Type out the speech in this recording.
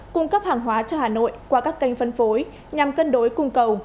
cung cấp hàng hóa cho hà nội qua các kênh phân phối nhằm cân đối cung cầu